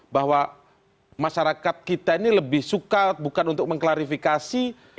bahwa masyarakat kita ini lebih suka bukan untuk mengklarifikasi